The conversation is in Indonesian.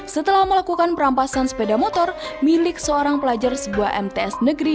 setelah melakukan perampasan sepeda motor milik seorang pelajar sebuah mts negeri